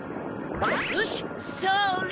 よしそれ！